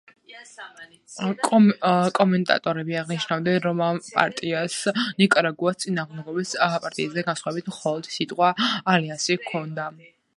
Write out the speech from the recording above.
კომენტატორები აღნიშნავდნენ, რომ ამ პარტიას ნიკარაგუის წინააღმდეგობის პარტიისაგან განსხვავებული მხოლოდ სიტყვა „ალიანსი“ ჰქონდა.